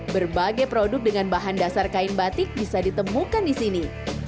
berbagai produk dengan bahan dasar kain batik bisa ditemukan di sini